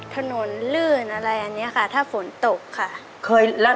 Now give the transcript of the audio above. ถนนลื่นอะไรอันนี้ค่ะถ้าฝนตกค่ะ